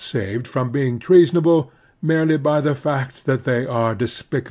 saved from being treasonable merely by the fact that they are despicable.